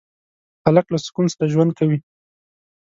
هلک له سکون سره ژوند کوي.